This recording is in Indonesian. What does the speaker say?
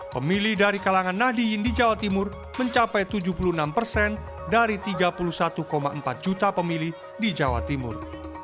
pemilih dari kalangan nahdiyin di jawa timur mencapai tujuh puluh enam persen dari tiga puluh satu empat juta pemilih di jawa timur